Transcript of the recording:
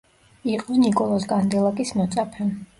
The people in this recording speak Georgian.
იყო ნიკოლოზ კანდელაკის მოწაფე.